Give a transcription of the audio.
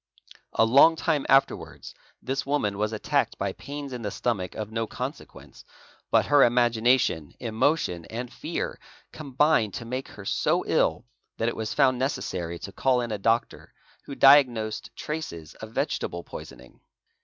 A long time afterwards this woman was attacked by _ pains in the stomach of no consequence, but her imagination, emotion, and fear, combined to make her so ill that it was found necessary to call : ina doctor who diagnosed traces of vegetable poisoning.